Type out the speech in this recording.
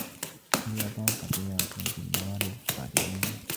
اليابان فقيرة في الموارد الطبيعية.